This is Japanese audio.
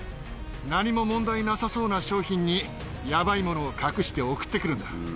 何も問題なさそうな商品に、やばいものを隠して送ってくるんだ。